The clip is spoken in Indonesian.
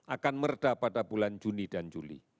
akan meredah pada bulan juni dan juli